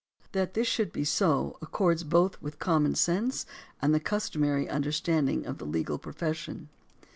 That this should be so accords both with common sense and the customary understanding of the legal profession.